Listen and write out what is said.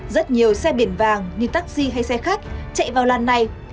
rất nhiều xe biển vàng như taxi hay xe khách chạy vào làn này